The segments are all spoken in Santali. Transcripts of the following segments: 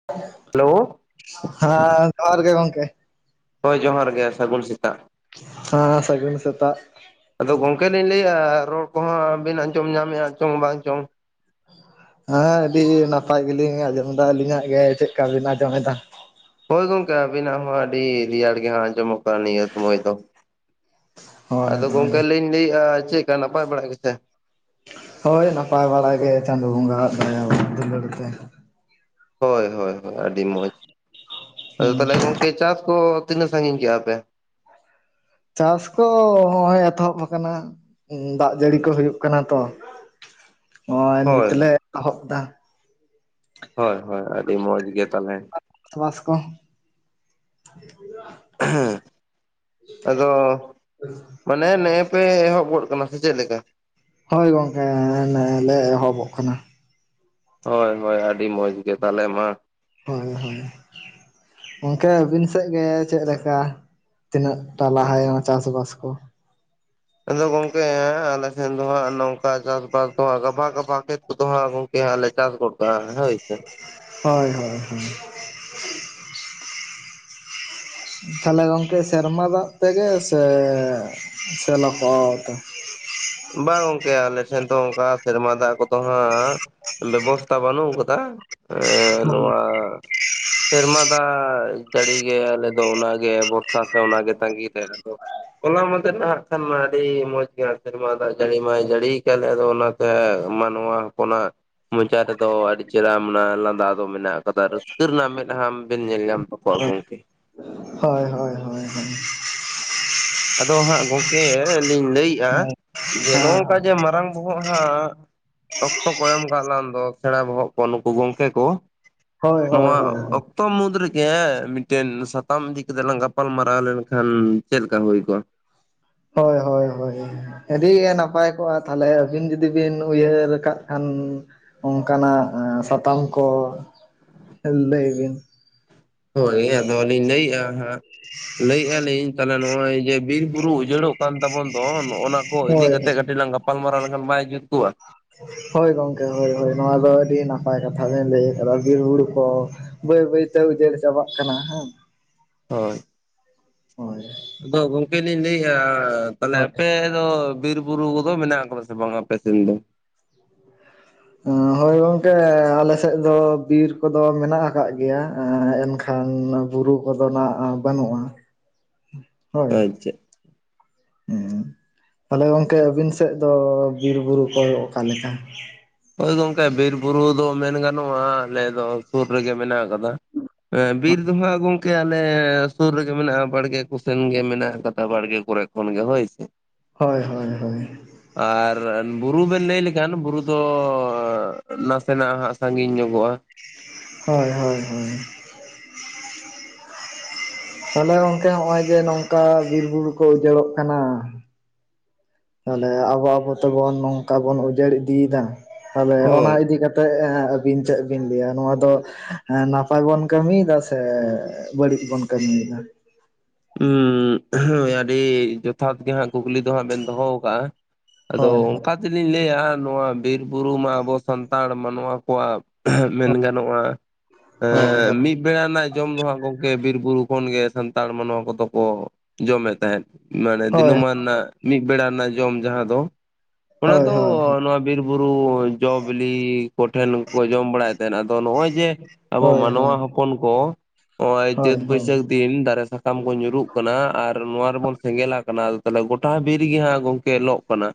ᱦ ᱦᱮᱞᱳ ᱦᱮᱸ ᱡᱚᱦᱟᱸᱨ ᱜᱮ ᱜᱚᱝᱠᱮ ᱦᱳᱭ ᱡᱚᱦᱟᱸᱨ ᱜᱮ ᱥᱟᱹᱜᱩᱱ ᱥᱮᱛᱟᱜ ᱦᱮᱸ ᱥᱟᱹᱜᱩᱱ ᱥᱮᱛᱟᱜ ᱟᱫᱚ ᱜᱚᱝᱠᱮ ᱞᱤᱧ ᱞᱟᱹᱭᱮᱜᱼᱟ ᱨᱚᱲ ᱠᱚᱦᱚᱸᱵᱤᱱ ᱟᱸᱡᱚᱢ ᱧᱟᱢᱮᱜᱼᱟ ᱪᱚᱝ ᱵᱟᱝ ᱪᱚᱝ ᱦᱮᱸ ᱟᱹᱰᱤ ᱱᱟᱯᱟᱭ ᱜᱮᱞᱤᱧ ᱟᱸᱡᱚᱢ ᱮᱫᱟ ᱟᱹᱞᱤᱧᱟᱜ ᱜᱮ ᱪᱮᱫᱠᱟ ᱵᱤᱱ ᱟᱸᱡᱚᱢᱮᱫᱟ ᱦᱳᱭ ᱜᱚᱝᱠᱮ ᱟᱵᱤᱱᱟᱜ ᱦᱚᱸ ᱟᱹᱰᱤ ᱨᱮᱭᱟᱲ ᱜᱮ ᱦᱟᱸᱜ ᱟᱸᱡᱚᱢᱚᱜ ᱱᱤᱭᱟᱹ ᱥᱚᱢᱚᱭ ᱫᱚ ᱦᱳᱭ ᱟᱫᱚ ᱦᱳᱭ ᱜᱚᱝᱠᱮ ᱞᱤᱧ ᱞᱟᱹᱭᱮᱜᱼᱟ ᱪᱮᱫ ᱱᱟᱯᱟᱭ ᱵᱟᱲᱟ ᱜᱮ ᱥᱮ ᱦᱳᱭ ᱱᱟᱯᱟᱭ ᱵᱟᱲᱟᱭ ᱜᱮ ᱪᱟᱸᱫᱳ ᱵᱚᱸᱜᱟ ᱣᱟᱜ ᱫᱟᱭᱟ ᱫᱩᱞᱟᱹᱲ ᱛᱮ ᱦᱳᱭ ᱦᱳᱭ ᱦᱳᱭ ᱟᱹᱰᱤ ᱢᱚᱡᱽ ᱟᱫᱚ ᱦᱩᱸ ᱛᱟᱦᱚᱞᱮ ᱜᱚᱢᱠᱮ ᱪᱟᱥ ᱠᱚ ᱛᱤᱱᱟᱹᱜ ᱥᱟᱺᱜᱤᱧ ᱠᱮᱜᱼᱟ ᱯᱮ ᱪᱟᱥ ᱠᱚ ᱦᱚᱸᱜᱼᱚᱭ ᱮᱛᱚᱦᱚᱵ ᱟᱠᱟᱱᱟ ᱫᱟᱜ ᱡᱟᱹᱲᱤ ᱠᱚ ᱦᱩᱭᱩᱜ ᱠᱟᱱᱟ ᱛᱚ ᱱᱚᱜᱼᱚᱭ ᱦᱳᱭ ᱱᱤᱛ ᱞᱮ ᱮᱚᱦᱚᱵ ᱮᱫᱟ ᱦᱳᱭ ᱦᱳᱭ ᱟᱹᱰᱤ ᱢᱚᱸᱡᱽ ᱜᱮ ᱛᱟᱞᱦᱮ ᱵᱟᱥᱠᱚ ᱦᱮᱸ ᱟᱫᱚ ᱢᱟᱱᱮ ᱱᱮᱜ ᱮ ᱯᱮ ᱮᱦᱚᱵ ᱜᱚᱫ ᱟᱠᱟᱱᱟ ᱥᱮ ᱪᱮᱫ ᱞᱮᱠᱟ ᱦᱳᱭ ᱜᱚᱝᱠᱮ ᱱᱮᱜ ᱮ ᱞᱮ ᱮᱦᱚᱵᱚᱜ ᱠᱟᱱᱟ ᱦᱳᱭ ᱦᱳᱭ ᱟᱹᱰᱤ ᱢᱚᱡᱽ ᱜᱮ ᱛᱟᱦᱞᱮ ᱢᱟ ᱦᱳᱭ ᱦᱳᱭ ᱜᱚᱝᱠᱮ ᱟᱹᱵᱤᱱ ᱥᱮᱫ ᱜᱮ ᱪᱮᱫ ᱞᱮᱠᱟ ᱛᱤᱱᱟᱹᱜ ᱴᱟ ᱞᱟᱦᱟᱭᱮᱱᱟ ᱪᱟᱥ ᱵᱟᱥ ᱠᱚ ᱟᱫᱚ ᱜᱚᱝᱠᱮ ᱟᱞᱮ ᱥᱮᱱ ᱫᱚ ᱦᱟᱜ ᱱᱚᱝᱠᱟ ᱪᱟᱥᱵᱟᱥ ᱱᱚᱣᱟ ᱜᱟᱵᱷᱟ ᱜᱟᱵᱷᱟ ᱠᱷᱮᱛ ᱠᱚᱫᱚ ᱦᱟᱸᱜ ᱜᱚᱝᱠᱮ ᱦᱟᱸᱜ ᱪᱟᱥ ᱜᱚᱛ ᱠᱟᱜ-ᱟ ᱦᱳᱭ ᱥᱮ ᱦᱳᱭ ᱦᱳᱭ ᱛᱟᱦᱞᱮ ᱜᱚᱝᱠᱮ ᱥᱮᱨᱢᱟ ᱫᱟᱜ ᱛᱮᱜᱮ ᱥᱮ ᱥᱮᱞ ᱠᱚ ᱟᱛᱮ ᱵᱟᱝ ᱜᱚᱝᱠᱮ ᱟᱞᱮ ᱴᱷᱮᱱ ᱫᱚ ᱚᱱᱠᱟ ᱥᱮᱨᱢᱟ ᱫᱟᱜ ᱠᱚᱫᱚ ᱦᱟᱸᱜ ᱵᱮᱵᱚᱥᱛᱟ ᱵᱟᱹᱱᱩᱜ ᱠᱟᱫᱟ ᱮᱸ ᱦᱳᱭ ᱱᱚᱣᱟ ᱥᱮᱨᱢᱟ ᱫᱟᱜ ᱡᱟᱹᱲᱤ ᱜᱮ ᱟᱞᱮ ᱫᱚ ᱚᱱᱟ ᱜᱮ ᱵᱚᱨᱥᱟ ᱥᱮ ᱚᱱᱟ ᱜᱮ ᱛᱟᱸᱜᱤ ᱨᱮ ᱟᱫᱚ ᱦᱚᱞᱟ ᱢᱟᱫᱷᱮᱨ ᱱᱟᱦᱟᱜ ᱠᱷᱟᱱ ᱢᱟ ᱟᱹᱰᱤ ᱢᱚᱸᱡᱽ ᱜᱮ ᱥᱮᱨᱢᱟ ᱫᱟᱜ ᱡᱟᱹᱲᱤ ᱢᱟᱭ ᱡᱟᱹᱲᱤᱭ ᱠᱟᱫᱟ ᱟᱫᱚ ᱚᱱᱟᱛᱮ ᱢᱟᱱᱣᱟ ᱦᱚᱯᱚᱱᱟᱜ ᱢᱚᱪᱟ ᱨᱮᱫᱚ ᱟᱹᱰᱤ ᱪᱮᱦᱨᱟ ᱚᱱᱟ ᱞᱟᱸᱫᱟ ᱫᱚ ᱢᱮᱱᱟᱜ-ᱟ ᱠᱟᱫᱟ ᱨᱟᱹᱥᱠᱟᱹ ᱨᱮᱱᱟᱜ ᱢᱮᱫᱦᱟ ᱵᱮᱱ ᱧᱮᱞ ᱧᱟᱢ ᱛᱟᱠᱚᱣᱟ ᱜᱚᱝᱠᱮ ᱦᱳᱭ ᱦᱳᱭ ᱦᱳᱭ ᱦᱳᱭ ᱟᱫᱚ ᱦᱟᱸᱜ ᱜᱚᱝᱠᱮ ᱞᱤᱧ ᱞᱟᱹᱭᱮᱜ-ᱟ ᱡᱮ ᱱᱚᱝᱠᱟ ᱡᱮ ᱦᱳᱭ ᱢᱟᱨᱟᱝ ᱵᱚᱦᱚᱜ ᱦᱟᱸᱜ ᱚᱠᱛᱚ ᱠᱚ ᱮᱢ ᱠᱟᱫ ᱞᱟᱝ ᱫᱚ ᱥᱮᱬᱟ ᱵᱚᱦᱚᱜ ᱠᱚ ᱱᱩᱠᱩ ᱜᱚᱝᱠᱮ ᱠᱚ ᱦᱳᱭ ᱦᱳᱭ ᱱᱚᱣᱟ ᱦᱳᱭ ᱚᱠ ᱛᱚ ᱢᱩᱫᱽ ᱨᱮᱜᱮ ᱢᱤᱫᱴᱮᱱ ᱥᱟᱛᱟᱢ ᱤᱫᱤ ᱠᱟᱛᱮᱫ ᱞᱟᱝ ᱜᱟᱯᱟᱞ ᱢᱟᱨᱟᱣ ᱞᱮᱱᱠᱷᱟᱱ ᱪᱮᱫ ᱞᱮᱠᱟ ᱦᱩᱭ ᱠᱚᱜᱼᱟ ᱦᱳᱭ ᱦᱳᱭ ᱦᱳᱭ ᱟᱹᱰᱤ ᱜᱮ ᱱᱟᱯᱟᱭ ᱠᱚᱜ-ᱟ ᱛᱟᱦᱞᱮ ᱟᱹᱵᱤᱱ ᱡᱩᱫᱤ ᱵᱤᱱ ᱩᱭᱦᱟᱹᱨ ᱠᱟᱜ ᱠᱷᱟᱱ ᱚᱝᱠᱟᱱᱟᱜ ᱥᱟᱛᱟᱢ ᱠᱚ ᱞᱟᱹᱭ ᱵᱤᱱ ᱦᱳᱭ ᱟᱫᱚ ᱞᱤᱧ ᱞᱟᱹᱭᱮᱜ-ᱟ ᱦᱟᱸᱜ ᱞᱟᱹᱭᱮ -ᱟ ᱞᱤᱧ ᱛᱟᱦᱞᱮ ᱱᱚᱜ-ᱚᱭ ᱡᱮ ᱵᱤᱨ ᱵᱩᱨᱩ ᱩᱡᱟᱹᱲᱚᱜ ᱠᱟᱱ ᱛᱟᱵᱚᱱ ᱫᱚ ᱱᱚᱜᱼᱚᱱᱟ ᱠᱚ ᱤᱫᱤ ᱦᱳᱭ ᱠᱟᱛᱮᱜ ᱠᱟᱹᱴᱤᱡ ᱞᱟᱝ ᱜᱟᱯᱟᱞ ᱢᱟᱨᱟᱣ ᱞᱮᱱᱠᱷᱟᱱ ᱵᱟᱭ ᱡᱩᱛ ᱠᱚᱜ-ᱟ ᱦᱳᱭ ᱜᱚᱝᱠᱮ ᱦᱳᱭ ᱦᱳᱭ ᱱᱚᱣᱟ ᱫᱚ ᱟᱹᱰᱤ ᱱᱟᱯᱟᱭ ᱠᱟᱛᱷᱟ ᱵᱤᱱ ᱞᱟᱹᱭ ᱟᱠᱟᱫᱟ ᱵᱤᱨ ᱵᱩᱨᱩ ᱠᱚ ᱵᱟᱹᱭ ᱵᱟᱹᱭ ᱛᱮ ᱩᱡᱟᱹᱲ ᱪᱟᱵᱟᱜ ᱠᱟᱱᱟ ᱦᱮᱸ ᱦᱳᱭ ᱦᱳᱭ ᱟᱫᱚ ᱜᱚᱝᱠᱮ ᱞᱤᱧ ᱞᱟᱹᱭᱮ-ᱟ ᱛᱟᱞᱦᱮ ᱦᱳᱭ ᱟᱯᱮ ᱫᱚ ᱵᱤᱨ ᱵᱩᱨᱩ ᱠᱚᱫᱚ ᱢᱮᱱᱟᱜ ᱟᱠᱟᱫᱟ ᱥᱮ ᱵᱟᱝ ᱟᱯᱮ ᱥᱮᱱ ᱫᱚ ᱦᱳᱭ ᱜᱚᱝᱠᱮ ᱟᱞᱮ ᱥᱮᱫ ᱫᱚ ᱵᱤᱨ ᱠᱚᱫᱚ ᱢᱮᱱᱟᱜ ᱟᱠᱟᱜ ᱜᱮᱭᱟ ᱮᱱᱠᱷᱟᱱ ᱠᱷᱟᱱ ᱵᱩᱨᱩ ᱠᱚᱫᱚ ᱱᱟᱜ ᱵᱟᱹᱱᱩᱜ-ᱟ ᱦᱳᱭ ᱟᱪᱪᱷᱟ ᱦᱩᱸ ᱛᱟᱞᱦᱮ ᱜᱚᱝᱠᱮ ᱟᱹᱵᱤᱱ ᱥᱮᱫ ᱫᱚ ᱵᱤᱨ ᱵᱩᱨᱩ ᱠᱚ ᱚᱠᱟᱞᱮᱠᱟ ᱦᱳᱭ ᱜᱚᱝᱠᱮ ᱵᱤᱨ ᱵᱩᱨᱩ ᱫᱚ ᱢᱮᱱ ᱜᱟᱱᱚᱜ-ᱟ ᱟᱞᱮ ᱫᱚ ᱥᱩᱨ ᱨᱮᱜᱮ ᱢᱮᱱᱟᱜ ᱟᱠᱟᱫᱟ ᱦᱮᱸ ᱵᱤᱨ ᱫᱚᱦᱟᱸᱜ ᱜᱚᱝ ᱠᱮ ᱟᱞᱮ ᱥᱩᱨ ᱨᱮᱜᱮ ᱢᱮᱱᱟᱜ-ᱟ ᱵᱟᱲᱜᱮ ᱠᱚᱥᱮᱱ ᱜᱮ ᱢᱮᱱᱟᱜ ᱠᱟᱫᱟ ᱵᱟᱲᱜᱮ ᱠᱚᱨᱮ ᱠᱷᱚᱱ ᱜᱮ ᱦᱳᱭ ᱥᱮ ᱦᱚᱭ ᱦᱚᱭ ᱦᱚᱭ ᱟᱨ ᱵᱩᱨᱩ ᱵᱮᱱ ᱞᱟᱹᱭ ᱞᱮᱠᱷᱟᱱ ᱵᱩᱨᱩ ᱫᱚ ᱱᱟᱥᱮᱱᱟᱜ ᱦᱟᱸᱜ ᱥᱟᱺᱜᱤᱧ ᱧᱚᱜᱚᱜ-ᱟ ᱦᱳᱭ ᱦᱳᱭ ᱦᱳᱭ ᱛᱟᱞᱦᱮ ᱜᱚᱝᱠᱮ ᱦᱚᱸᱜ-ᱚᱭ ᱡᱮ ᱱᱚᱝᱠᱟ ᱵᱤᱨ ᱵᱩᱨᱩ ᱠᱚ ᱩᱡᱟᱹᱲᱚᱜ ᱠᱟᱱᱟ ᱛᱟᱞᱦᱮ ᱟᱵᱚ ᱟᱵᱚ ᱛᱮᱵᱚᱱ ᱱᱚᱝᱠᱟ ᱵᱚᱱ ᱩᱡᱟᱹᱲ ᱤᱫᱤᱭᱮᱫᱟ ᱛᱟᱦᱚᱞᱮ ᱚᱱᱟ ᱦᱳᱭ᱾ ᱤᱫᱤᱠᱟ ᱛᱮᱜ ᱟᱹᱵᱤᱱ ᱪᱮᱫ ᱵᱤᱱ ᱞᱟᱹᱭᱟ ᱱᱚᱣᱟ ᱫᱚ ᱱᱟᱯᱟᱭ ᱵᱚᱱ ᱠᱟᱹᱢᱤᱭᱮᱫᱟ ᱥᱮ ᱵᱟᱹᱲᱤᱡ ᱵᱚᱱ ᱠᱟᱹᱢᱤᱭᱮᱫᱟ ᱩᱸ ᱦᱚᱭ ᱟᱹᱰᱤ ᱡᱚᱛᱷᱟᱛ ᱜᱮ ᱦᱟᱸᱜ ᱠᱩᱠᱞᱤ ᱫᱚ ᱦᱟᱸᱜ ᱵᱤᱱ ᱫᱚᱦᱚ ᱟᱠᱟ-ᱟ ᱟᱫᱚ ᱦᱳᱭ ᱦᱳᱭ ᱚᱝᱠᱟ ᱛᱮᱞᱤᱧ ᱞᱟᱹᱭᱟ ᱱᱚᱣᱟ ᱵᱤᱨ ᱵᱩᱨᱩ ᱢᱟ ᱟᱵᱚ ᱥᱟᱱᱛᱟᱲ ᱢᱟᱱᱣᱟ ᱠᱚᱣᱟᱜ ᱢᱮᱱ ᱜᱟᱱᱚᱜ-ᱟ ᱦᱳᱭ ᱦᱳᱭ ᱮᱸᱻ ᱢᱤᱫ ᱵᱮᱲᱟ ᱨᱮᱱᱟᱜ ᱡᱚᱢ ᱫᱚ ᱦᱟᱸᱜ ᱜᱚᱝᱠᱮ ᱵᱤᱨ ᱵᱩᱨᱩ ᱠᱷᱚᱱᱜᱮ ᱥᱟᱱᱛᱟᱲ ᱢᱟᱱᱣᱟ ᱠᱚᱫᱚ ᱠᱚ ᱡᱚᱢᱮᱫ ᱛᱟᱦᱮᱸᱫ ᱢᱟᱱᱮ ᱦᱳᱭ ᱫᱤᱱᱹᱟᱢᱟᱱ ᱨᱮᱱᱟᱜ ᱢᱤᱫ ᱵᱮᱲᱟ ᱨᱮᱱᱟᱜ ᱡᱚᱢ ᱡᱟᱦᱟᱸ ᱫᱚ ᱚᱱᱟ ᱦᱳᱭ ᱫᱚ ᱦᱳᱭ ᱱᱚᱣᱟ ᱵᱤᱨ ᱵᱩᱨᱩ ᱡᱚ ᱵᱤᱞᱤ ᱠᱚᱴᱷᱮᱱ ᱠᱚ ᱡᱚᱢ ᱵᱟᱲᱟᱭᱮᱫ ᱛᱟᱦᱮᱸᱱᱟ ᱟᱫᱚ ᱱᱚᱜ ᱚᱭ ᱡᱮ ᱟᱵᱚ ᱦᱳᱭ ᱢᱟᱱᱣᱟ ᱦᱳᱭ ᱦᱚᱯᱚᱱ ᱠᱚ ᱱᱚᱜᱼᱚᱭ ᱦᱳᱭ ᱪᱟᱹᱛ ᱦᱳᱭ ᱵᱟᱹᱭᱥᱟᱹᱠᱷ ᱫᱤᱱ ᱫᱟᱨᱮ ᱥᱟ ᱥᱟᱠᱟᱢ ᱠᱚ ᱧᱩᱨᱩᱜ ᱠᱟᱱᱟ ᱟᱨ ᱱᱚᱣᱟ ᱨᱮᱵᱚᱱ ᱥᱮᱸᱜᱮᱞᱟᱜ ᱠᱟᱱᱟ ᱟᱫᱚ ᱛᱟᱦᱚᱞᱮ ᱜᱚᱴᱟ ᱵᱤᱨ ᱨᱮᱜᱮ ᱦᱟᱸᱜ ᱜᱚᱝᱠᱮ ᱞᱚᱜ ᱠᱟᱱᱟ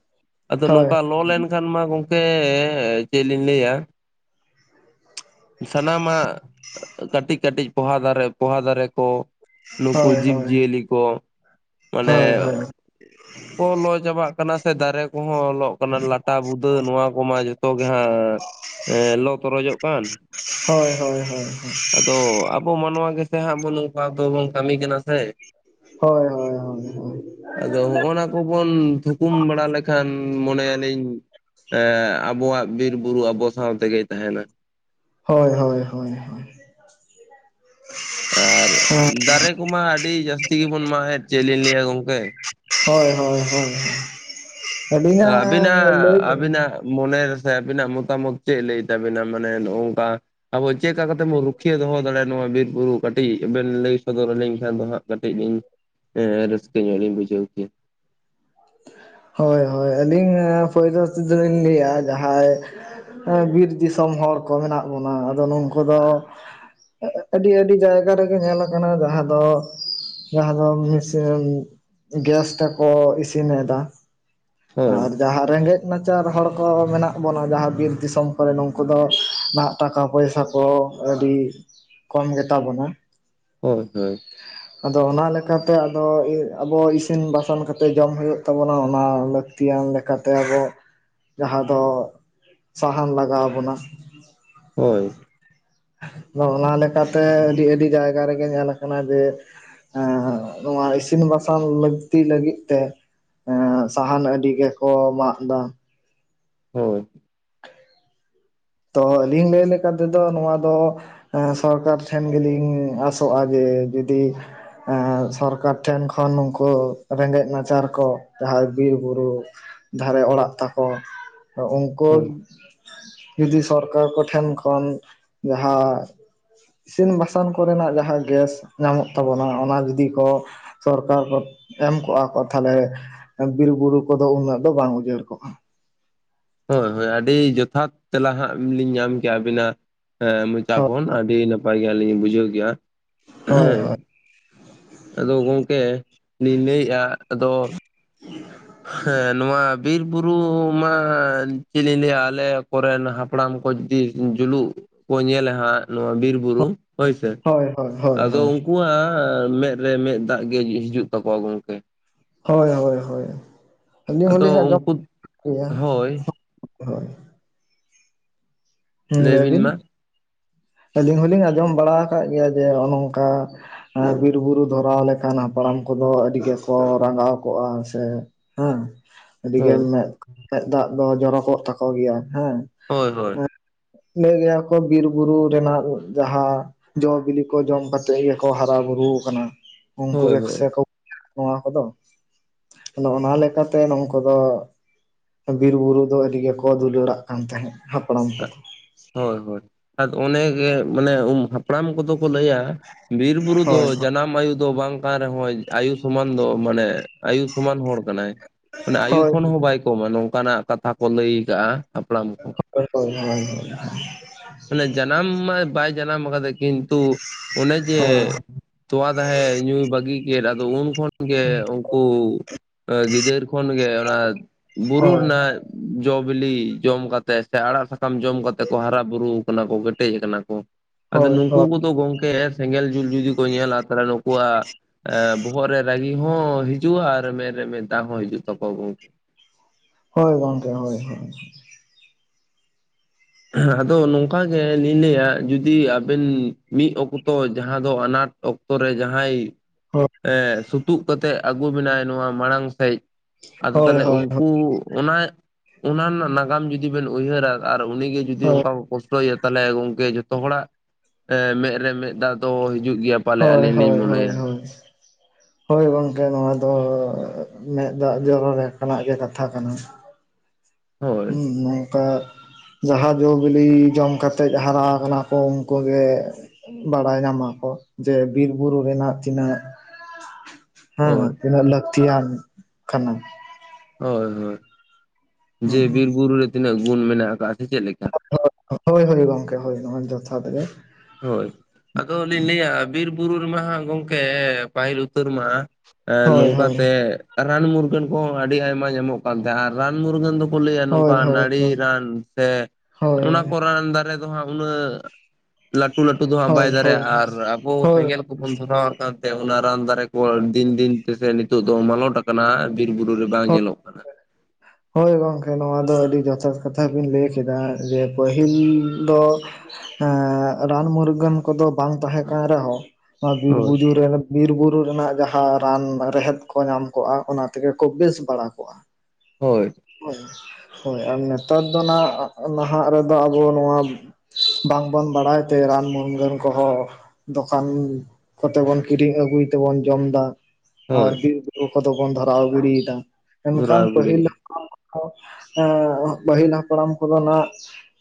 ᱟᱫᱚ ᱦᱳᱭ ᱱᱚᱝᱠᱟ ᱞᱚ ᱞᱮᱱᱠᱷᱟᱱ ᱢᱟ ᱜᱚᱝᱠᱮ ᱪᱮᱫ ᱞᱤᱧ ᱞᱟᱹᱭᱟ ᱥᱟᱱᱟᱢᱟᱜ ᱠᱟᱹᱴᱤᱡ ᱠᱟᱹᱴᱤᱡ ᱯᱚᱦᱟ ᱫᱟᱨᱮ ᱯᱚᱦᱟ ᱫᱟᱨᱮ ᱠᱚ ᱱᱩᱠᱩ ᱦᱳᱭ ᱡᱤᱵᱽ ᱦᱳᱭ ᱡᱤᱭᱟᱹᱞᱤ ᱠᱚ ᱢᱟᱱᱮ ᱦᱳᱭ ᱦᱳᱭ [inaudible] ᱠᱚ ᱞᱚ ᱪᱟᱵᱟᱜ ᱠᱟᱱᱟ ᱥᱮ ᱫᱟᱨᱮ ᱠᱚᱦᱚᱸ ᱞᱚᱜ ᱠᱟᱱᱟ ᱞᱟᱴᱟ ᱵᱩᱫᱟᱹ ᱱᱚᱣᱟ ᱠᱚᱢᱟ ᱡᱚᱛᱚ ᱜᱮ ᱦᱟᱸᱜ ᱞᱚ ᱛᱚᱨᱚᱡᱚᱜ ᱠᱟᱱ ᱦᱳᱭ ᱦᱚᱳᱭ ᱦᱳᱭ ᱛᱚ ᱟᱵᱚ ᱢᱟᱱᱣᱟ ᱜᱮᱥᱮ ᱦᱟᱸᱜ ᱵᱚ ᱱᱚᱝᱠᱟ ᱫᱚᱵᱚᱱ ᱠᱟᱹᱢᱤ ᱠᱟᱱᱟ ᱥᱮ ᱦᱳᱭ ᱦᱳᱭ ᱦᱳᱭ ᱟᱫᱚ ᱦᱚᱜᱼ ᱱᱟ ᱠᱚᱵᱚᱱ ᱛᱷᱩᱠᱩᱢ ᱵᱟᱲᱟ ᱞᱮᱠᱷᱟᱱ ᱢᱚᱱᱮᱭᱟᱞᱤᱧ ᱟᱵᱚᱣᱟᱜ ᱵᱤᱨ ᱵᱩᱨᱩ ᱟᱵᱚ ᱥᱟᱶ ᱛᱮᱜᱮ ᱛᱟᱦᱮᱱᱟ ᱦᱳᱭ ᱦᱳᱭ ᱦᱳᱭ ᱟᱨ ᱫᱟᱨᱮ ᱠᱚᱢᱟ ᱟᱹᱰᱤ ᱡᱟᱹᱥᱛᱤ ᱜᱮᱵᱚᱱ ᱢᱟᱜ ᱮᱫ ᱪᱮᱫ ᱞᱤᱧ ᱞᱟᱹᱭᱟ ᱜᱚᱢᱠᱮ ᱦᱳᱭ ᱦᱳᱭ ᱦᱳᱭ ᱟᱹᱞᱤᱧᱟᱜ ᱞᱟᱹᱭ ᱫᱚ ᱢᱚᱱᱮ ᱨᱮ ᱥᱮ ᱟᱹᱵᱤᱱᱟᱜ ᱢᱚᱛᱟ ᱢᱚᱛ ᱪᱮᱫ ᱞᱟᱹᱭ ᱛᱟᱵᱤᱱᱟ ᱢᱟᱱᱮ ᱱᱚᱜ ᱱᱚᱝᱠᱟ ᱟᱵᱚ ᱪᱮᱫ ᱞᱮᱠᱟ ᱠᱟᱛᱮ ᱵᱚᱱ ᱨᱩᱠᱷᱤᱭᱟᱹ ᱫᱚᱦᱚ ᱫᱟᱲᱮᱭᱟᱜᱼᱟ ᱱᱚᱣᱟ ᱵᱤᱨᱵᱩᱨᱩ ᱠᱟᱹᱴᱤᱡ ᱵᱮᱱ ᱞᱟᱹᱭ ᱥᱚᱫᱚᱨ ᱟᱹᱞᱤᱧ ᱠᱷᱟᱱ ᱫᱚ ᱦᱟᱸᱜ? ᱠᱟᱹᱴᱤᱡ ᱞᱤᱧ ᱨᱟᱹᱥᱠᱟᱹ ᱧᱚᱜ ᱞᱤᱧ ᱵᱩᱡᱷᱟᱹᱣ ᱠᱮᱭᱟ ᱦᱳᱭ ᱦᱳᱭ ᱟᱹᱞᱤᱧ ᱯᱚᱭᱞᱚ ᱛᱮᱫᱚ ᱞᱤᱧ ᱞᱟᱹᱭᱟ ᱡᱟᱦᱟᱸᱭ ᱵᱤᱨ ᱫᱤᱥᱚᱢ ᱦᱚᱲ ᱠᱚ ᱢᱮᱱᱟᱜ ᱵᱚᱱᱟ ᱟᱫᱚ ᱱᱩᱠᱩ ᱫᱚ ᱟᱹᱰᱤ ᱟᱹᱰᱤ ᱡᱟᱭᱜᱟ ᱨᱮᱜᱮ ᱧᱮᱞ ᱠᱟᱱᱟ ᱡᱟᱦᱟᱸ ᱫᱚ ᱡᱟᱦᱟᱸ ᱫᱚ ᱜᱮᱥ ᱛᱟᱠᱚ ᱤᱥᱤᱱ ᱛᱤᱱᱮ ᱫᱟ ᱦᱳᱭ ᱟᱨ ᱡᱟᱦᱟᱸ ᱨᱮᱸᱜᱮᱡ ᱱᱟᱪᱟᱨ ᱦᱚᱲ ᱠᱚ ᱢᱮᱱᱟᱜ ᱵᱚᱱᱟ ᱡᱟᱦᱟᱸ ᱵᱤᱨ ᱫᱤᱥᱚᱢ ᱠᱚᱨᱮ ᱱᱩᱝᱠᱩ ᱫᱚ ᱱᱟᱦᱟᱜ ᱴᱟᱠᱟ ᱯᱚᱭᱥᱟ ᱠᱚ ᱟᱹᱰᱤ ᱠᱚᱢ ᱜᱮᱛᱟ ᱵᱚᱱᱟ ᱦᱳᱭ ᱦᱳᱭ ᱟᱫᱚ ᱚᱱᱟ ᱞᱮᱠᱟᱛᱮ ᱟᱫᱚ ᱟᱵᱚ ᱤᱥᱤᱱ ᱵᱟᱥᱟᱝ ᱠᱟᱛᱮᱫ ᱡᱚᱢ ᱦᱩᱭᱩᱜ ᱛᱟᱵᱚᱱᱟ ᱚᱱᱟ ᱞᱟᱹᱛᱤᱭᱟᱱ ᱞᱮᱠᱟᱛᱮ ᱟᱵᱚ ᱡᱟᱦᱟᱸ ᱫᱚ ᱥᱟᱦᱟᱱ ᱞᱟᱜᱟᱣ ᱵᱚᱱᱟ ᱦᱳᱭ ᱟᱫᱚ ᱚᱱᱟ ᱞᱮᱠᱟᱛᱮ ᱟᱹᱰᱤ ᱟᱹᱰᱤ ᱡᱟᱭᱜᱟ ᱨᱮᱜᱮ ᱧᱮᱞ ᱠᱟᱱᱟ ᱡᱮ ᱮ ᱱᱚᱣᱟ ᱤᱥᱤᱱ ᱵᱟᱥᱟᱝ ᱞᱟᱹᱠᱛᱤ ᱞᱟᱹᱜᱤᱫ ᱛᱮ ᱥᱟᱦᱟᱱ ᱟᱹᱰᱤ ᱜᱮᱠᱚ ᱢᱟᱜ ᱫᱟ ᱦᱳᱭ ᱛᱚ ᱟᱹᱞᱤᱧ ᱞᱟᱹᱭ ᱞᱮᱠᱟ ᱛᱮᱫᱚ ᱱᱚᱣᱟ ᱫᱚ ᱥᱚᱨᱠᱟᱨ ᱴᱷᱮᱱ ᱜᱮᱞᱤᱧ ᱟᱥᱚᱜᱼᱟ ᱡᱮ ᱡᱩᱫᱤ ᱥᱚᱨᱠᱟᱨ ᱴᱷᱮᱱ ᱠᱷᱚᱱ ᱱᱩᱝᱠᱩ ᱨᱮᱸᱜᱮᱡ ᱱᱟᱪᱟᱨ ᱠᱚ ᱡᱟᱦᱟᱸᱭ ᱵᱤᱨᱵᱩᱨᱩ ᱫᱷᱟᱨᱮ ᱚᱲᱟᱜ ᱛᱟᱠᱚ ᱩᱝᱠᱩ ᱦᱳᱭ ᱡᱫᱤ ᱥᱚᱨᱠᱟᱨ ᱠᱚᱴᱷᱮᱱ ᱠᱷᱚᱱ ᱡᱟᱦᱟᱸ ᱤᱥᱤᱱ ᱵᱟᱥᱟᱱ ᱠᱚᱨᱮᱱᱟᱜ ᱡᱟᱦᱟᱸ ᱜᱮᱥ ᱧᱟᱢᱚᱜ ᱛᱟᱵᱚᱱᱟ ᱚᱱᱟ ᱡᱩᱫᱤ ᱠᱚ ᱥᱚᱨᱠᱟᱨ ᱠᱚ ᱮᱢ ᱠᱚᱜᱼᱟ ᱠᱚ ᱛᱷᱟᱞᱮ ᱵᱤᱨᱵᱩᱨᱩ ᱠᱚᱫᱚ ᱩᱱᱟᱹᱜ ᱫᱚ ᱵᱟᱝ ᱩᱡᱟᱹᱲ ᱠᱚᱜᱼᱟ ᱦᱳᱭ ᱦᱳᱭ ᱟᱹᱰᱤ ᱡᱚᱛᱷᱟᱛ ᱛᱮᱞᱟ ᱦᱟᱸᱜ ᱞᱤᱧ ᱧᱟᱢ ᱠᱮᱭᱟ ᱟᱵᱤᱱᱟᱜ ᱟᱸ ᱪᱟ ᱠᱷᱚᱱ ᱟᱹᱰᱤ ᱱᱟᱯᱟᱭ ᱜᱮᱞᱤᱧ ᱵᱩᱡᱷᱟᱹᱣ ᱠᱮᱭᱟ ᱦᱳᱭ ᱦᱮᱸ ᱦᱳᱭ ᱟᱫᱚ ᱜᱚᱝᱠᱮ ᱞᱤᱧ ᱞᱟᱹᱭᱮᱜᱼᱟ ᱟᱫᱚ [inaudible] ᱦᱮᱸ ᱱᱚᱣᱟ ᱵᱤᱨ ᱵᱩᱨᱩ ᱢᱟ ᱪᱮᱫ ᱞᱤᱧ ᱞᱟᱹᱭᱟ ᱟᱞᱮ ᱠᱚᱨᱮᱱ ᱦᱟᱯᱲᱟᱢ ᱠᱚ ᱡᱩᱫᱤ ᱡᱩᱞᱩᱜ ᱠᱚ ᱧᱮᱞᱟ ᱦᱟᱸᱜ ᱱᱚᱣᱟ ᱵᱤᱨ ᱵᱩᱨᱩ ᱦᱳᱭᱥᱮ ᱦᱳᱭ ᱦᱳᱭ ᱦᱳᱭ ᱟᱫᱚ ᱦᱳᱭ ᱩᱱ ᱣᱟᱸᱜ ᱢᱮᱫ ᱨᱮ ᱢᱮᱫ ᱫᱟᱜ ᱜᱮ ᱦᱤᱡᱩᱜ ᱛᱟᱠᱚᱣᱟ ᱜᱚᱝᱠᱮ ᱦᱳᱭ ᱦᱳᱭ ᱦᱳᱭ ᱟᱹᱞᱤᱧ ᱟᱫᱚ ᱦᱚᱸᱞᱤᱧ ᱟᱸᱡᱚᱢ ᱩᱱᱠᱩ [inaudible] ᱜᱮᱭᱟ ᱦᱳᱭ ᱦᱳᱭ ᱦᱳᱭ ᱦᱩᱸ ᱞᱟᱹᱭ ᱵᱤᱱ ᱟᱹᱞᱤᱧ ᱦᱚᱞᱤᱧ ᱟᱸᱡᱚᱢ ᱵᱟᱲᱟ ᱟᱠᱟᱫ ᱜᱮᱭᱟ ᱡᱮ ᱦᱚᱝ ᱱᱚᱝᱠᱟ ᱵᱤᱨᱵᱩᱨᱩ ᱫᱷᱚᱨᱟᱣ ᱞᱮᱠᱷᱟᱱ ᱦᱟᱯᱲᱟᱢ ᱠᱚᱫᱚ ᱟᱹᱰᱤ ᱜᱮᱠᱚ ᱨᱟᱸᱜᱟᱣ ᱠᱚᱜᱼᱟ ᱥᱮ ᱦᱮᱸ ᱟᱹᱰᱤᱜᱮ ᱦᱳᱭ ᱢᱮ ᱢᱮᱫ ᱫᱟᱜ ᱫᱚ ᱡᱚᱨᱚᱠᱚᱜ ᱛᱟᱠᱚ ᱜᱮᱭᱟ ᱦᱮᱸ ᱦᱳᱭ ᱦᱳᱭ ᱞᱟᱹᱭ ᱜᱮᱭᱟ ᱠᱚ ᱵᱤᱨ ᱵᱩᱨᱩ ᱨᱮᱱᱟᱜ ᱡᱟᱦᱟᱸ ᱡᱚ ᱵᱤᱞᱤ ᱠᱚ ᱡᱚᱢ ᱠᱟᱛᱮᱫ ᱜᱮᱠᱚ ᱦᱟᱨᱟ ᱵᱩᱨᱩ ᱟᱠᱟᱱᱟ ᱩᱱᱠᱩ ᱦᱳᱭ ᱜᱮ ᱦᱳᱭ ᱥᱮ ᱠᱚ ᱱᱚᱣᱟ ᱠᱚᱫᱚ ᱟᱫᱚ ᱚᱱᱟ ᱞᱮᱠᱟᱛᱮ ᱱᱚᱝᱠᱚ ᱫᱚ ᱵᱤᱨ ᱵᱩᱨᱩ ᱫᱚ ᱟᱹᱰᱤ ᱜᱮᱠᱚ ᱫᱩᱞᱟᱹᱲᱟᱜ ᱠᱟᱱ ᱛᱟᱦᱮᱸᱫ ᱦᱟᱯᱲᱟᱢ ᱠᱚᱫᱚ ᱦᱳᱭ ᱦᱳᱭ ᱟᱫᱚ ᱚᱱᱮ ᱜᱮ ᱢᱟᱱᱮ ᱩᱢ ᱦᱟᱯ ᱦᱟᱯᱲᱟᱢ ᱠᱚᱫᱚ ᱠᱚ ᱞᱟᱹᱭᱟ ᱵᱤᱨ ᱵᱩᱨᱩ ᱫᱚ ᱦᱳᱭ ᱡᱟᱱᱟᱢ ᱟᱭᱩ ᱫᱚ ᱵᱟᱝ ᱨᱮᱦᱚᱸ ᱟᱭᱩ ᱥᱚᱢᱟᱱ ᱫᱚ ᱢᱟᱱᱮ ᱟᱭᱩ ᱥᱚᱢᱟᱱ ᱦᱚᱲ ᱠᱟᱱᱟᱭ ᱢᱟᱱᱮ ᱟᱭᱩ ᱦᱳᱭ ᱠᱷᱚᱱ ᱦᱚᱸ ᱵᱟᱭ ᱠᱚᱢᱟ ᱱᱚᱝᱠᱟᱱᱟᱜ ᱠᱟᱛᱷᱟ ᱠᱚ ᱞᱟᱹᱭ ᱟᱠᱟᱜᱼᱟ ᱦᱟᱯᱲᱟᱢ ᱠᱚ [unintelligible] ᱢᱟᱱᱮ ᱡᱟᱱᱟᱢ ᱢᱟ ᱵᱟᱭ ᱡᱟᱱᱟᱢ ᱟᱠᱟᱫᱮ ᱠᱤᱱᱛᱩ ᱚᱱᱮ ᱡᱮ ᱛᱚᱣᱟ ᱫᱟᱦᱮ ᱧᱩᱭ ᱵᱟᱹᱜᱤ ᱠᱮᱫ ᱟᱫᱚ ᱩᱱ ᱠᱷᱚᱱ ᱜᱮ ᱩᱝᱠᱩ ᱜᱤᱫᱟᱹᱨ ᱠᱷᱚᱱ ᱜᱮ ᱚᱱᱟ ᱵᱩᱨᱩ ᱦᱳᱭ ᱨᱮᱱᱟᱜ ᱡᱚ ᱵᱤᱞᱤ ᱡᱚᱢ ᱠᱟᱛᱮᱜ ᱥᱮ ᱟᱲᱟᱜ ᱥᱟᱠᱟᱢ ᱡᱚᱢ ᱠᱟᱛᱮ ᱠᱚ ᱦᱟᱨᱟ ᱵᱩᱨᱩ ᱠᱟᱱᱟ ᱠᱚ ᱠᱮᱴᱮᱡ ᱟᱠᱟᱱᱟ ᱠᱚ ᱟᱫᱚ ᱦᱳᱭ ᱱᱩᱝᱠᱩ ᱦᱳᱭ ᱠᱚᱫᱚ ᱜᱚᱝᱠᱮ ᱥᱮᱸᱜᱮᱞ ᱡᱩᱞ ᱡᱩᱫᱤ ᱠᱚ ᱧᱮᱞᱟ ᱛᱟᱦᱚᱞᱮ ᱱᱩᱠᱩ ᱭᱟᱜ ᱵᱚᱦᱚᱜ ᱨᱮ ᱨᱟᱹᱜᱤ ᱦᱚᱸ ᱦᱤᱡᱩᱜᱼᱟ ᱟᱨ ᱢᱮᱫ ᱨᱮ ᱢᱮ ᱫᱟᱜ ᱦᱚᱸ ᱦᱤᱡᱩᱜ ᱛᱟᱠᱚᱣᱟ ᱜᱚᱢᱠᱮ ᱦᱳᱭ ᱜᱚᱝᱠᱮ ᱦᱳᱭ ᱦᱳᱭ ᱟᱫᱚ ᱱᱚᱝᱠᱟ ᱜᱮ ᱞᱤᱧ ᱞᱟᱹᱭᱟ ᱡᱩᱫᱤ ᱟᱵᱮᱱ ᱢᱤᱫ ᱚᱠᱛᱚ ᱡᱟᱦᱟᱸ ᱫᱚ ᱟᱱᱟᱴ ᱚᱠᱛᱚ ᱚᱠᱛᱚ ᱨᱮ ᱡᱟᱦᱟᱸᱭ ᱦᱳᱭ ᱥᱩᱛᱩᱜ ᱠᱟᱛᱮᱫ ᱟᱹᱜᱩ ᱵᱮᱱᱟᱭ ᱱᱚᱣᱟ ᱢᱟᱲᱟᱝ ᱥᱮᱫ ᱟᱫᱚ ᱦᱳᱭ ᱦᱳᱭ ᱦᱳᱭ ᱛᱟᱦᱚᱞᱮ ᱩᱱᱠᱩ ᱚᱱᱟ ᱚᱱᱟ ᱨᱮᱱᱟᱜ ᱱᱟᱜᱟᱢ ᱡᱩᱫᱤ ᱵᱮᱱ ᱩᱭᱦᱟᱹᱨᱟ ᱟᱨ ᱩᱱᱤ ᱜᱮ ᱡᱩᱫᱤ ᱚᱝᱠᱟ ᱠᱚ ᱠᱚᱥᱴᱚᱭᱮᱭᱟ ᱛᱟᱦᱚᱞᱮ ᱜᱚᱝᱠᱮ ᱡᱷᱚᱛᱚ ᱦᱚᱲᱟᱜ ᱢᱮᱸᱫ ᱨᱮ ᱢᱮᱫ ᱫᱟᱜ ᱫᱚ ᱦᱤᱡᱩᱜ ᱜᱮᱭᱟ᱾ ᱯᱟᱞᱮ ᱦᱳᱭ ᱟᱹᱞᱤᱧ ᱞᱤᱧ ᱦᱳᱭ ᱦᱳᱭ ᱢᱚᱱᱮᱭᱟ ᱦᱳᱭ ᱦᱳᱭ ᱜᱚᱝᱠᱮ ᱱᱚᱣᱟ ᱫᱚ ᱢᱮᱫ ᱫᱟᱜ ᱡᱚᱨᱚ ᱞᱮᱠᱟᱱᱟᱜ ᱜᱮ ᱠᱟᱛᱷᱟ ᱠᱟᱱᱟ᱾ ᱦᱳᱭ ᱦᱩᱸ ᱱᱚᱝᱠᱟ ᱡᱟᱦᱟᱸ ᱡᱚ ᱵᱤᱞᱤ ᱡᱚᱢ ᱠᱟᱛᱮᱡ ᱦᱟᱨᱟ ᱟᱠᱟᱱᱟ ᱠᱚ ᱩᱱᱠ ᱜᱮ ᱵᱟᱲᱟᱭ ᱧᱟᱢᱟᱠᱚ ᱡᱮ ᱵᱤᱨᱵᱩᱨᱩ ᱨᱮᱱᱟᱜ ᱛᱤᱱᱟᱹᱜ [inaudible] ᱦᱮᱸ ᱛᱤᱱᱟᱹᱜ ᱞᱟᱹᱠᱛᱤᱭᱟᱱ ᱠᱟᱱᱟ᱾ ᱦᱳᱭ ᱦᱳᱭ ᱡᱮ ᱵᱤᱨ ᱵᱩᱨᱩ ᱨᱮ ᱛᱤᱱᱟᱹᱜ ᱜᱩᱱ ᱢᱮᱱᱟᱜ ᱟᱠᱟᱫ-ᱟ ᱥᱮ ᱪᱮᱫ ᱞᱮᱠᱟ? ᱦᱳᱭ ᱦᱳᱭ ᱜᱚᱢᱠᱮ ᱦᱳᱭ ᱱᱚᱣᱟ ᱡᱚᱛᱷᱟᱛ ᱜᱮ᱾ ᱦᱳᱭ ᱟᱫᱚ ᱞᱤᱧ ᱞᱟᱹᱭᱟ ᱵᱤᱨ ᱵᱩᱨᱩ ᱨᱮᱢᱟ ᱦᱟᱸᱜ ᱜᱚᱢᱠᱮ ᱯᱟᱹᱦᱤᱞ ᱩᱛᱟᱹᱨ ᱢᱟ ᱦᱳᱭ ᱦᱳᱭ ᱱᱚᱝᱠᱟᱛᱮ ᱨᱟᱱ ᱢᱩᱨᱜᱟᱹᱱ ᱠᱚᱦᱚᱸ ᱟᱹᱰᱤ ᱟᱭᱢᱟ ᱧᱟᱢᱚᱜ ᱠᱟᱱ ᱛᱟᱦᱮᱸᱱᱟ ᱟᱨ ᱨᱟᱱ ᱢᱩᱨᱜᱟᱹᱱ ᱫᱚ ᱠᱚ ᱞᱟᱹᱭᱟ ᱦᱳᱭ ᱱᱚᱝᱠᱟ ᱦᱳᱭ ᱱᱟᱹᱲᱤ ᱦᱳᱭ ᱨᱟᱱ ᱥᱮ ᱚᱱᱟ ᱠᱚ ᱦᱳᱭ ᱨᱟᱱ ᱫᱟᱨᱮ ᱫᱚ ᱦᱟᱸᱜ ᱩᱱᱟᱹᱜ ᱞᱟᱹᱴᱩ ᱞᱟᱹᱴᱩ ᱫᱚ ᱦᱟᱸᱜ ᱵᱟᱭ ᱦᱳᱭ ᱦᱳᱭ ᱫᱟᱨᱮᱜᱭᱟᱜᱼᱟ ᱟᱨ ᱟᱵᱚ ᱦᱳᱭ ᱥᱮᱸᱜᱮᱞ ᱠᱚᱵᱚᱱ ᱫᱷᱚᱨᱟᱣ ᱠᱟᱱᱛᱮ ᱚᱱᱟ ᱨᱟᱱ ᱫᱟᱨᱮ ᱠᱚ ᱫᱤᱱ ᱫᱤᱱ ᱛᱮᱥᱮ ᱱᱤᱛᱚᱜ ᱫᱚ ᱢᱟᱞᱚᱴ ᱟᱠᱟᱱᱟ ᱵᱤᱨ ᱵᱩᱨᱩ ᱨᱮ ᱵᱟᱝ ᱦᱳᱭ ᱧᱮᱞᱚᱜ ᱠᱟᱱᱟ᱾ ᱦᱳᱭ ᱜᱚᱝᱠᱮ ᱱᱚᱣᱟ ᱫᱚ ᱟᱹᱰᱤ ᱡᱚᱛᱷᱟᱛ ᱠᱟᱛᱷᱟ ᱵᱤᱱ ᱞᱟᱹᱭ ᱠᱮᱫᱟ, ᱡᱮ ᱯᱟᱹᱦᱤᱞ ᱫᱚ ᱦᱮᱸ ᱨᱟᱱ ᱢᱩᱨᱜᱟᱹᱱ ᱠᱚᱫᱚ ᱵᱟᱝ ᱛᱟᱦᱮᱸ ᱠᱟᱱ ᱨᱮᱦᱚᱸ ᱱᱚᱣᱟ ᱵᱤᱨ ᱦᱳᱭ ᱵᱩᱡᱩᱨ ᱨᱮᱱ ᱵᱤᱨ ᱵᱩᱨᱩ ᱨᱮᱱᱟᱜ ᱡᱟᱦᱟᱸ ᱨᱟᱱ ᱨᱮᱦᱮᱫ ᱠᱚ ᱧᱟᱢ ᱠᱚᱜᱼᱟ ᱚᱱᱟ ᱛᱮᱜᱮ ᱠᱚ ᱵᱮᱥ ᱵᱟᱲᱟ ᱠᱚᱜᱼᱟ᱾ ᱦᱳᱭ ᱦᱳᱭ ᱟᱨ ᱱᱮᱛᱟᱨ ᱫᱚ ᱱᱷᱟᱜ ᱱᱟᱦᱟᱜ ᱨᱮᱫᱚ ᱟᱵᱚ ᱱᱚᱣᱟ ᱵᱟᱝᱵᱚᱱ ᱵᱟᱲᱟᱭ ᱛᱮ ᱨᱟᱱ ᱢᱩᱨᱜᱟᱹᱱ ᱠᱚᱦᱚᱸ ᱫᱚᱠᱟᱱ ᱠᱚᱛᱮ ᱵᱩᱱ ᱠᱤᱨᱤᱧ ᱟᱹᱜᱩᱭ ᱛᱮᱵᱚᱱ ᱡᱚᱢ ᱫᱟ᱾ ᱦᱳᱭ ᱟᱨ ᱵᱤᱨ ᱵᱩᱨᱩ ᱠᱚᱫᱚ ᱵᱚᱱ ᱫᱷᱟᱨᱟᱣ ᱜᱤᱰᱤᱭ ᱮᱫᱟ, ᱫᱷᱚᱨᱟᱣ ᱮᱠᱷᱟᱱ ᱜᱤᱲᱤ ᱯᱟᱹᱦᱤᱞ ᱮᱸ ᱯᱟᱹᱦᱤᱞ ᱦᱟᱯᱲᱟᱢ ᱠᱚᱫᱚ ᱱᱟᱦᱟᱜ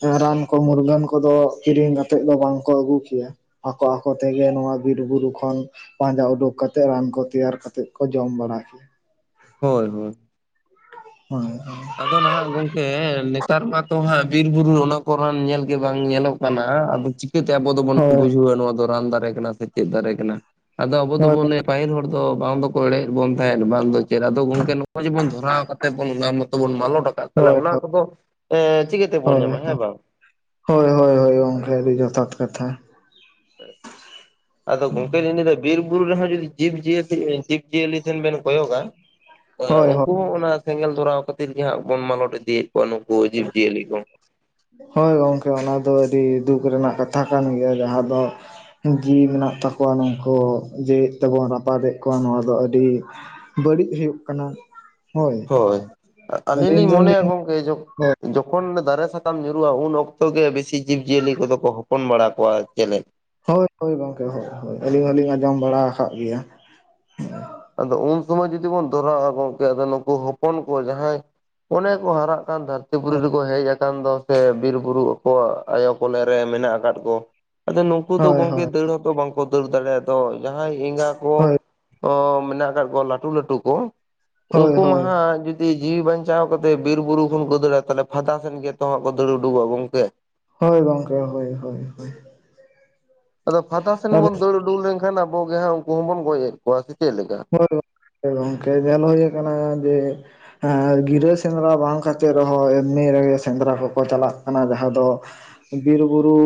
ᱮᱸ ᱨᱟᱱ ᱠᱚ ᱢᱩᱨᱜᱟᱹᱱ ᱠᱚᱫᱚ ᱠᱤᱨᱤᱧ ᱠᱟᱛᱮᱫ ᱫᱚ ᱵᱟᱝ ᱠᱚ ᱟᱹᱜᱩ ᱠᱮᱭᱟ᱾ ᱟᱠᱚ ᱟᱠᱚ ᱛᱮᱜᱮ ᱱᱚᱣᱟ ᱵᱤᱨ ᱵᱩᱨᱩ ᱠᱷᱚᱱ, ᱯᱟᱸᱡᱟ ᱩᱰᱩᱠ ᱠᱟᱛᱮᱫ ᱨᱟᱱ ᱠᱚ ᱛᱮᱭᱟᱨ ᱠᱟᱛᱮᱫ ᱠᱚ ᱡᱚᱢ ᱵᱟᱲᱟ ᱠᱮᱭᱟ᱾ ᱦᱳᱭ ᱦᱳᱭ [unintelligible] ᱟᱫᱚ ᱱᱟᱦᱟᱜ ᱜᱚᱝᱠᱮ ᱱᱮᱛᱟᱨ ᱢᱟᱛᱚ ᱦᱟᱸᱜ ᱵᱤᱨ ᱵᱩᱨᱩ ᱚᱱᱟ ᱠᱚ ᱨᱟᱱ ᱧᱮᱞ ᱜᱮ ᱵᱟᱝ ᱧᱮᱞᱚᱜ ᱠᱟᱱᱟ ᱟᱫᱚ ᱪᱤᱠᱟᱹ ᱛᱮ ᱟᱵᱚ ᱫᱚᱵᱚᱱ ᱦᱳᱭ ᱵᱩᱡᱷᱟᱹᱣᱟ ᱱᱚᱣᱟ ᱫᱚ ᱨᱟᱱ ᱫᱟᱨᱮ ᱠᱟᱱᱟ ᱥᱮ ᱪᱮᱫ ᱫᱟᱨᱮ ᱠᱟᱱᱟ᱾ ᱟᱫᱚ ᱟᱵᱚ ᱫᱚᱵᱚᱱ ᱞᱟᱹᱭᱟ ᱯᱟᱹᱦᱤᱞ ᱦᱚᱲ ᱫᱚ ᱵᱟᱝ ᱫᱚᱠᱚ ᱮᱲᱮᱭᱮᱫ ᱵᱚᱱ ᱛᱟᱦᱮᱸᱫ ᱵᱟᱝ ᱫᱚ ᱪᱮᱫ ᱟᱫᱚ ᱜᱚᱝᱠᱮ ᱱᱚᱜ-ᱚᱭ ᱡᱮ ᱵᱚᱱ ᱫᱷᱚᱨᱟᱣ ᱠᱟᱛᱮᱫ ᱵᱚᱱ [unintelligible] ᱵᱚᱱ ᱢᱟᱞᱚᱴ ᱟᱠᱟᱫ ᱛᱟᱦᱚᱞᱮ ᱦᱳᱭ ᱦᱳᱭ ᱦᱳᱭ ᱚᱱᱟ ᱠᱚᱫᱚ ᱮ ᱪᱤᱠᱟᱹ ᱛᱮ ᱵᱚᱱ ᱦᱳᱭ ᱧᱟᱢᱟ ᱦᱮᱸ ᱦᱳᱭ ᱵᱟᱝ? ᱦᱳᱭ ᱦᱳᱭ ᱦᱳᱭ ᱜᱚᱝᱠᱮ ᱟᱹᱰᱤ ᱡᱚᱛᱷᱟᱛ ᱠᱟᱛᱷᱟ᱾ [unintelligible] ᱟᱫᱚ ᱜᱚᱝᱠᱮ ᱞᱤᱧ ᱞᱟᱹᱭ ᱫᱟ ᱵᱤᱨ ᱵᱩᱨᱩ ᱨᱮ ᱦᱚᱸ ᱡᱩᱫᱤ ᱡᱤᱵᱽ ᱡᱤᱭᱟᱹᱞᱤ ᱡᱤᱵᱽ ᱡᱤᱭᱟᱹᱞᱤ ᱴᱷᱮᱱ ᱵᱮᱱ ᱠᱚᱭᱚᱜᱟ, [inaudible] ᱠᱚᱣᱟ ᱦᱳᱭ ᱦᱳᱭ ᱩᱱᱠᱩ ᱦᱚᱸ ᱚᱱᱟ ᱥᱮᱸᱜᱮᱞ ᱫᱷᱚᱨᱟᱣ ᱠᱷᱟᱹᱛᱤᱨ ᱜᱮ ᱦᱟᱸᱜ ᱵᱚᱱ ᱢᱟᱞᱚᱴ ᱤᱫᱤᱭᱮᱫ ᱠᱚᱣᱟ ᱱᱩᱠᱩ ᱡᱤᱵᱽ ᱡᱤᱭᱟᱹᱞᱤ ᱠᱚ᱾ ᱦᱳᱭ ᱜᱚᱢᱠᱮ ᱚᱱᱟ ᱫᱚ ᱟᱹᱰᱤ ᱫᱩᱠ ᱨᱮᱱᱟᱜ ᱠᱟᱛᱷᱟ ᱠᱟᱱ ᱜᱮᱭᱟ ᱡᱟᱦᱟᱸ ᱫᱚ, ᱡᱤᱣᱤ ᱢᱮᱱᱟᱜ ᱛᱟᱠᱚᱣᱟ ᱱᱩᱝᱠᱩ ᱡᱮᱣᱭᱮᱫ ᱛᱮᱵᱚᱱ ᱨᱟᱯᱟᱫᱮᱫ ᱠᱚᱣᱟ ᱱᱚᱣᱟ ᱫᱚ ᱟᱹᱰᱤ ᱵᱟᱹᱲᱤᱡ ᱦᱩᱭᱩᱜ ᱠᱟᱱᱟ᱾ ᱦᱳᱭ ᱦᱚᱭ ᱟᱹᱞᱤᱧ ᱞᱤᱧ ᱢᱚᱱᱮᱭᱟ ᱜᱚᱝᱠᱮ ᱡᱚ ᱡᱚᱠᱷᱚᱱ ᱫᱟᱨᱮ ᱥᱟ ᱠᱟᱢ ᱧᱩᱨᱩᱜ-ᱟ ᱩᱱ ᱚᱠᱛᱚ ᱜᱮ ᱵᱮᱥᱤ ᱡᱤᱵᱽ ᱡᱤᱭᱟᱹᱞᱤ ᱠᱚᱫᱚ ᱠᱚ ᱦᱚᱯᱚᱱ ᱵᱟᱲᱟ ᱠᱚᱣᱟ᱾ ᱪᱮᱞᱮ ᱦᱳᱭ ᱦᱳᱭ ᱜᱚᱝᱠᱮ ᱦᱳᱭ ᱦᱳᱭ ᱟᱹᱞᱤᱧ ᱦᱚᱞᱤᱧ ᱟᱸᱡᱚᱢ ᱵᱟᱲᱟ ᱟᱠᱟᱫ ᱜᱮᱭᱟ᱾ ᱟᱫᱚ ᱩᱱ ᱥᱚᱢᱚᱭ ᱡᱩᱫᱤ ᱵᱚᱱ ᱫᱷᱚᱨᱟᱣᱟ ᱜᱚᱝᱠᱮ ᱟ ᱱᱩᱠᱩ ᱦᱚᱯᱚᱱ ᱠᱚ ᱡᱟᱦᱟᱸᱭ ᱚᱱᱮ ᱠᱚ ᱦᱟᱨᱟᱜ ᱠᱟᱱ ᱛᱟᱦᱮᱸᱫ, ᱫᱷᱟᱹᱨᱛᱤ ᱯᱩᱨᱤ ᱨᱮᱠᱚ ᱦᱮᱡ ᱟᱠᱟᱱ ᱫᱚ ᱥᱮ ᱵᱤᱨ ᱵᱩᱨᱩ ᱟᱠᱚᱣᱟᱜ ᱟᱭᱳ ᱠᱚᱞᱮ ᱨᱮ ᱢᱮᱱᱟᱜ ᱟᱠᱟᱫ ᱠᱚ, ᱟᱫᱚ ᱱᱩᱠᱩ ᱫᱚ ᱦᱳᱭ ᱜᱚᱝᱠᱮ ᱦᱳᱭ ᱫᱟᱹᱲ ᱦᱚᱸ ᱛᱚ ᱵᱟᱝ ᱠᱚ ᱫᱟᱹᱲ ᱫᱟᱲᱮᱭᱟᱜ-ᱟ ᱟᱫᱚ ᱡᱟᱦᱟᱸᱭ ᱮᱸᱜᱟ ᱠᱚ, ᱦᱳᱭ ᱠᱚ ᱢᱮᱱᱟᱜ ᱟᱠᱟᱫ ᱠᱚᱣᱟ ᱞᱟᱹᱴᱩ ᱞᱟᱹᱴᱩ ᱠᱚ ᱦᱳᱭ ᱦᱳᱭ ᱩᱱᱠᱩ ᱦᱳᱭ ᱢᱟᱦᱟ ᱡᱩᱫ ᱫᱤ ᱡᱤᱣᱤ ᱵᱟᱧᱪᱟᱣ ᱠᱟᱛᱮᱫ ᱵᱤᱨ ᱵᱩᱨᱩ ᱠᱷᱚᱱ ᱠᱚ ᱫᱟᱹᱲᱟ ᱛᱟᱦᱚᱞᱮ ᱯᱷᱟᱫᱟ ᱥᱮᱱ ᱜᱮᱛᱚ ᱦᱟᱜ ᱠᱚ ᱫᱟᱹᱲ ᱩᱰᱩᱠᱚᱜ-ᱟ ᱜᱚᱝᱠᱮ ᱦᱳᱭ ᱜᱚᱝᱠᱮ ᱦᱳᱭ ᱦᱳᱭ ᱟᱫᱚ ᱯᱷᱟᱫᱟ ᱥᱮᱱ ᱟᱹᱞᱤᱧ ᱵᱚᱱ ᱫᱟᱹᱲ ᱩᱰᱩᱠ ᱞᱮᱱᱠᱷᱟᱱ ᱟᱵᱚ ᱜᱮ ᱦᱟᱸᱜ ᱩᱱᱠᱩ ᱦᱚᱸ ᱵᱚᱱ ᱜᱚᱡ ᱮᱫ ᱠᱚᱣᱟ ᱥᱮ ᱪᱮᱫ ᱞᱮᱠᱟ ᱦᱳᱭ ᱜᱚᱝᱠᱮ ᱜᱚᱝᱠᱮ ᱧᱮᱞ ᱦᱩᱭ ᱠᱟᱱᱟ ᱡᱮ ᱦᱮᱸ ᱜᱤᱨᱟᱹ ᱥᱮᱸᱫᱽᱨᱟ ᱵᱟᱝ ᱠᱟᱛᱮᱫ ᱨᱮᱦᱚᱸ ᱮᱢᱱᱤ ᱨᱮᱜᱮ ᱥᱮᱸᱫᱽᱨᱟ ᱠᱚᱠᱚ ᱪᱟᱞᱟᱜ ᱠᱟᱱᱟ ᱡᱟᱦᱟᱸ ᱫᱚ ᱵᱤᱨ ᱵᱩᱨᱩ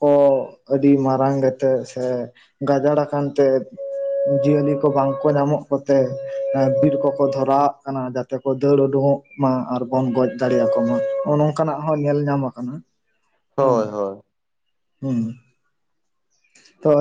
ᱠᱚ ᱟᱹᱰᱤ ᱢᱟᱨᱟᱝ ᱜᱮᱛᱮᱫ ᱥᱮ ᱜᱟᱡᱟᱲ ᱟᱠᱟᱱ ᱛᱮ ᱡᱤᱭᱟᱹᱞᱤ ᱠᱚ ᱵᱟᱝ ᱠᱚ ᱧᱟᱢᱚᱜ ᱠᱚᱛᱮ ᱵᱤᱨ ᱠᱚᱠᱚ ᱫᱷᱚᱨᱟᱣᱟᱜ ᱠᱟᱱᱟ ᱡᱟᱛᱮ ᱠᱚ ᱫᱟᱹᱲ ᱩᱰᱩᱝᱚᱜ ᱢᱟ ᱟᱨ ᱵᱚᱱ ᱜᱚᱡ ᱫᱟᱲᱮ ᱟᱠᱠᱚ ᱢᱟ ᱦᱚᱜ-ᱚ ᱱᱚᱝᱠᱟᱱᱟᱜ ᱦᱚᱸ ᱧᱮᱞ ᱧᱟᱢ ᱟᱠᱟᱱᱟ [inaudible] ᱦᱚᱸ ᱦᱳᱭ ᱦᱚᱸ ᱛᱚ